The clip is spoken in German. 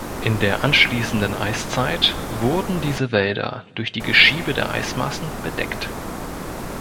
In der anschließenden Eiszeit wurden diese Wälder durch die Geschiebe der Eismassen bedeckt.